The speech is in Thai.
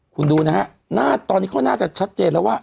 คุณดูนะฮะหน้าตอนนี้เขาน่าจะชัดเจนแล้วว่า